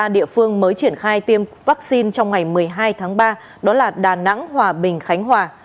ba địa phương mới triển khai tiêm vaccine trong ngày một mươi hai tháng ba đó là đà nẵng hòa bình khánh hòa